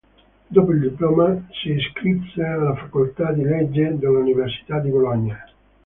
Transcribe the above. Dopo il diploma, si iscrisse alla facoltà di legge dell'Università di Bologna.